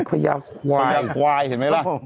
พญาควายควายเห็นไหมล่ะ